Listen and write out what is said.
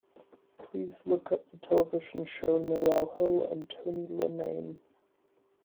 Please look up the television show, Noel Hill & Tony Linnane.